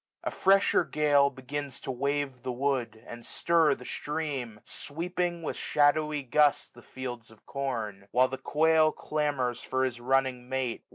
A fresher gale Begins to wave the wood, and stir the stream. Sweeping with shadowy gust the fields of corn ; 1655 While the quail clamours for his running mate.